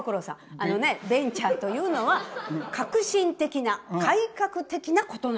あのねベンチャーというのは革新的な改革的なことなのよ。